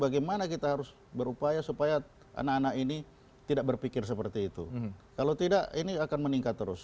bagaimana kita harus berupaya supaya anak anak ini tidak berpikir seperti itu kalau tidak ini akan meningkat terus